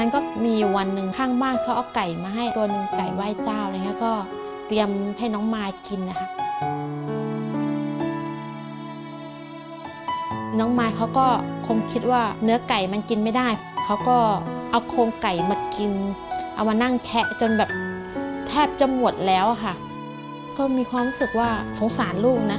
ก็มีความรู้สึกว่าสงสารลูก